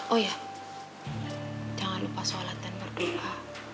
oh ya jangan lupa sholat dan berdoa